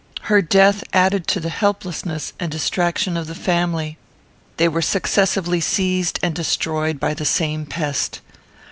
Her death added to the helplessness and distraction of the family. They were successively seized and destroyed by the same pest.